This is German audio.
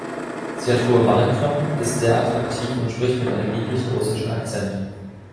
Sie hat hohe Wangenknochen, ist sehr attraktiv und spricht mit einem niedlichen russischen Akzent.